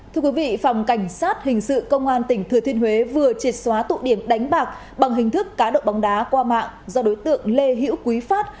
thưa quý vị phòng cảnh sát hình sự công an tỉnh thừa thiên huế vừa triệt xóa tụ điểm đánh bạc bằng hình thức cá độ bóng đá qua mạng do đối tượng lê hữu quý phát